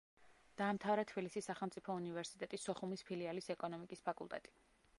დაამთავრა თბილისის სახელმწიფო უნივერსიტეტი სოხუმის ფილიალის ეკონომიკის ფაკულტეტი.